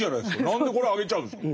何でこれあげちゃうんですか。